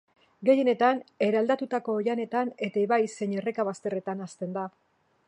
Gehienetan eraldatutako oihanetan eta ibai zein erreka bazterretan hazten da.